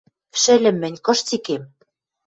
Шӹльӹм мӹнь кыш цикем?